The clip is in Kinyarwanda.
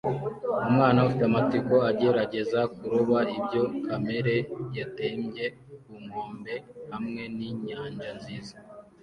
Umwana ufite amatsiko agerageza kuroba ibyo kamere yatembye ku nkombe hamwe ninyanja nziza